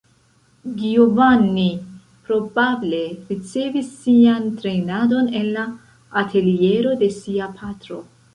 Giovanni probable ricevis sian trejnadon en la ateliero de sia patro.